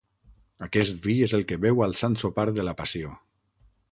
Aquest vi és el que beu al Sant Sopar de la Passió.